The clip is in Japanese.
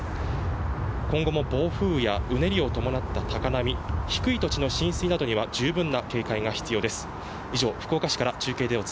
今後も暴風雨やうねりを伴った高波低い土地の浸水などには十分な警戒が必要です。